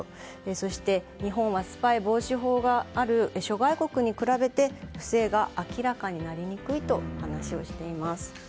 そして日本はスパイ防止法がある諸外国に比べて不正が明らかになりにくいと話をしています。